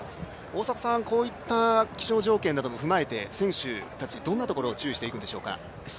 大迫さん、こういった気象条件などを踏まえて選手たち、どんなところを注意していくんでしょうか。